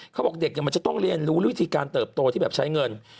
เขาบอกเด็กมันจะต้องเรียนรู้วิธีการเติบโตที่แบบใช้เงิน